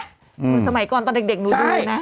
อืมสมัยก่อนตอนเด็กหนูดูเนอะใช่